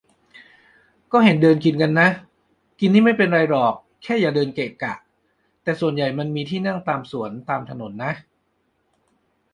ก็เห็นเดินกินกันนะ กินนี่ไม่เป็นไรหรอกแค่อย่าเดินเกะกะ แต่ส่วนใหญ่มันมีที่นั่งตามสวน ตามถนนนะ